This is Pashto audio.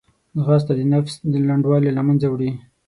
ځغاسته د نفس لنډوالی له منځه وړي